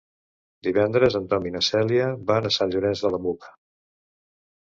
Divendres en Tom i na Cèlia van a Sant Llorenç de la Muga.